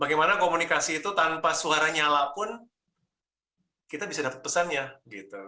bagaimana komunikasi itu tanpa suara nyala pun kita bisa dapat pesannya gitu